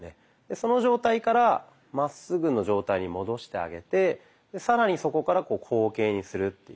その状態からまっすぐの状態に戻してあげて更にそこから後傾にするっていう。